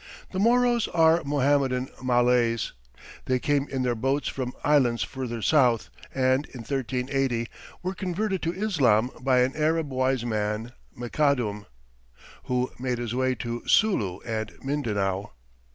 The Moros are Mohammedan Malays. They came in their boats from islands further south, and in 1380 were converted to Islam by an Arab wise man, Makadum, who made his way to Sulu and Mindanao.